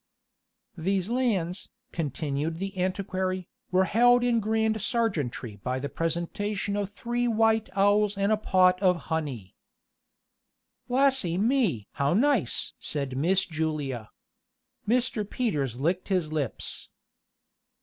"These lands," continued the antiquary, "were held in grand serjeantry by the presentation of three white owls and pot of honey " "Lassy me! how nice!" said Miss Julia. Mr. Peters licked his lips.